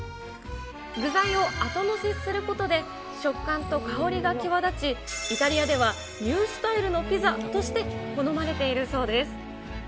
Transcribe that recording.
具材をあとのせすることで、食感と香りが際立ち、イタリアではニュースタイルのピザとして好まれているそうです。